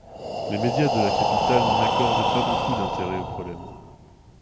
Les médias de la capitale n'accordent pas beaucoup d'intérêt au problème.